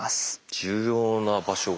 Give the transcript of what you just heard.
重要な場所が。